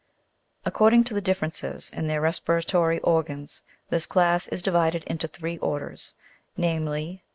According to the differences in their respiratory organs, this class is divided into three orders; namely, 1st.